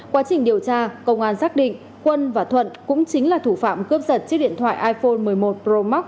quá trình điều tra công an xác định quân và thuận cũng chính là thủ phạm cướp giật chiếc điện thoại iphone một mươi một pro max